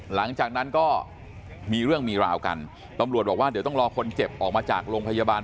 หลังจากนั้นก็มีเรื่องมีราวกันตำรวจบอกว่าเดี๋ยวต้องรอคนเจ็บออกมาจากโรงพยาบาล